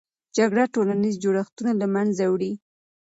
جګړه ټولنیز جوړښتونه له منځه وړي.